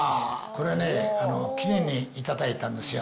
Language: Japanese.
これね、記念に頂いたんですよ。